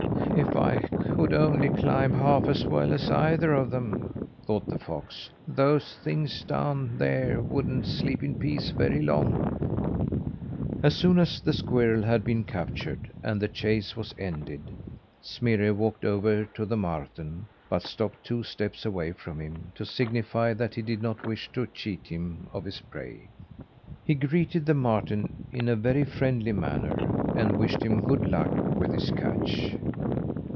"If I could only climb half as well as either of them," thought the fox, "those things down there wouldn't sleep in peace very long!" As soon as the squirrel had been captured, and the chase was ended, Smirre walked over to the marten, but stopped two steps away from him, to signify that he did not wish to cheat him of his prey. He greeted the marten in a very friendly manner, and wished him good luck with his catch.